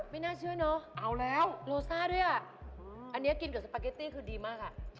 ไม่น่าเชื่อเนอะเอาแล้วโลซ่าด้วยอ่ะอันนี้กินกับสปาเกตตี้คือดีมากอ่ะ